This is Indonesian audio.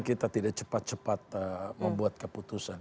kita tidak cepat cepat membuat keputusan